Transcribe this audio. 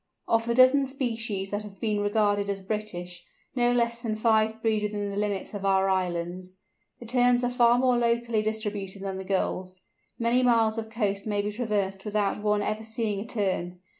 Of the dozen species that have been regarded as "British," no less than five breed within the limits of our islands. The Terns are far more locally distributed than the Gulls. Many miles of coast may be traversed without one ever seeing a Tern.